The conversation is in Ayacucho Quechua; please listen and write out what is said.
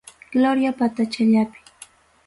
Gloria patachallapi.